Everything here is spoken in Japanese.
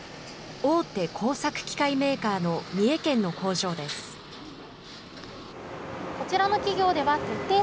大手工作機械メーカーの三重県の工場です。